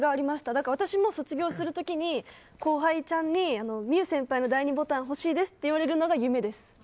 だから私も卒業するとき望結先輩の第２ボタンほしいですって言われるのが夢です。